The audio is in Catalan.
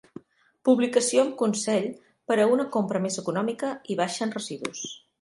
Publicació amb consell per a una compra més econòmica i baixa en residus.